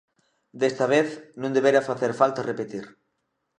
Desta vez, non debera facer falta repetir.